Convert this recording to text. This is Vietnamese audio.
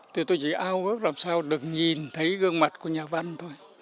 thì tôi chỉ ao ước làm sao được nhìn thấy gương mặt của nhà văn thôi